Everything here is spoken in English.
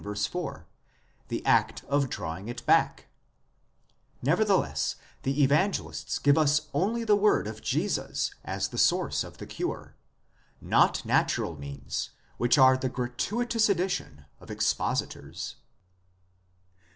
4, the act of drawing it back: nevertheless the Evangelists give us only the word of Jesus as the source of the cure; not natural means, which are the gratuitous addition of expositors.!